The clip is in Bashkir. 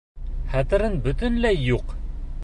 Хәтерең бөтөнләй юҡ!